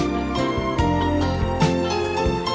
đêm mưa về gió